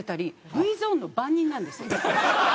Ｖゾーンの番人なんですよ。